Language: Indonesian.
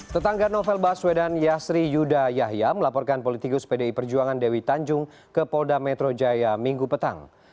tetangga novel baswedan yasri yuda yahya melaporkan politikus pdi perjuangan dewi tanjung ke polda metro jaya minggu petang